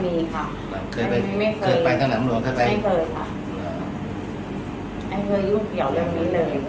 ไม่เคยไม่เคยไม่เคยไม่เคยอยู่เกี่ยวอย่างนี้เลย